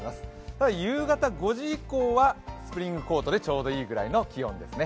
ただ夕方５時以降はスプリングコートでちょうどいいぐらいの気温ですね。